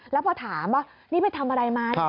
แล้วพอถามว่านี่ไปทำอะไรไหม